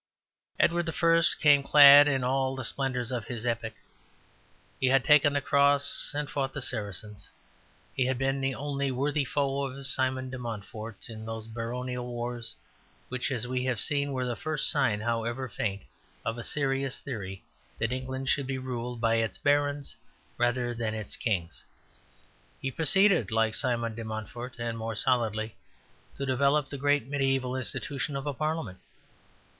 Edward I. came clad in all the splendours of his epoch. He had taken the Cross and fought the Saracens; he had been the only worthy foe of Simon de Montfort in those baronial wars which, as we have seen, were the first sign (however faint) of a serious theory that England should be ruled by its barons rather than its kings. He proceeded, like Simon de Montfort, and more solidly, to develop the great mediæval institution of a parliament.